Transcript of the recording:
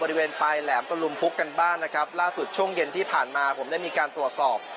บริเวณปลายแหลมตะลุมพุกกันบ้านนะครับล่าสุดช่วงเย็นที่ผ่านมาผมได้มีการตรวจสอบ